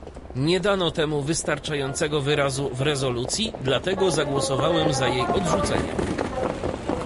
Nie dano temu wystarczającego wyrazu w rezolucji, dlatego zagłosowałem za jej odrzuceniem